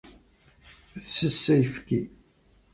Tsess ayefki.